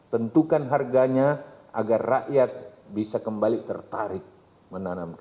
tentukan harganya agar rakyat bisa kembali tertarik menanam